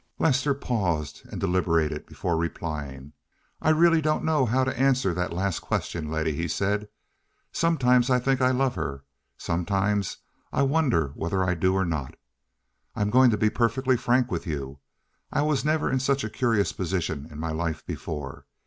Lester paused and deliberated before replying. "I really don't know how to answer that last question, Letty," he said. "Sometimes I think that I love her; sometimes I wonder whether I do or not. I'm going to be perfectly frank with you. I was never in such a curious position in my life before.